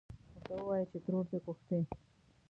ورته ووايه چې ترور دې غوښتې.